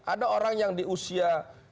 ada orang yang di usia